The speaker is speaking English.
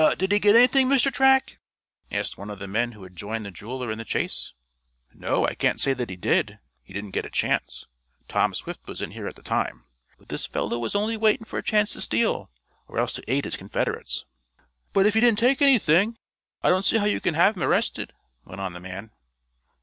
"Did he get anything, Mr. Track?" asked one of the men who had joined the jeweler in the chase. "No, I can't say that he did. He didn't get a chance. Tom Swift was in here at the time. But this fellow was only waiting for a chance to steal, or else to aid his confederates." "But, if he didn't take anything, I don't see how you can have him arrested," went on the man.